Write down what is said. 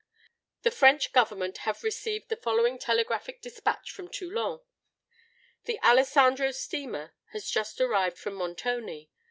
"The French Government have received the following Telegraphic Despatch from Toulon:— "'The Alessandro steamer has just arrived from Montoni.